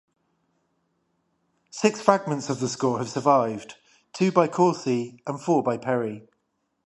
Six fragments of the score have survived, two by Corsi and four by Peri.